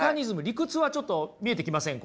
理屈はちょっと見えてきません？